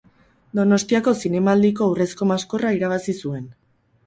Donostiako Zinemaldiko Urrezko Maskorra irabazi zuen.